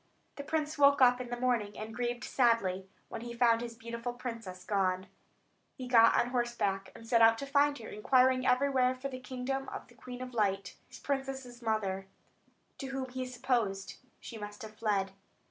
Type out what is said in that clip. The prince woke up in the morning, and grieved sadly, when he found his beautiful princess gone. Then he got on horseback, and set out to find her, inquiring everywhere for the kingdom of the Queen of Light his princess's mother to whom he supposed she must have fled.